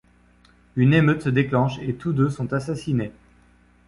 Une émeute se déclenche et tous deux sont assassinés.